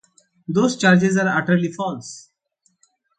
Those charges are utterly false.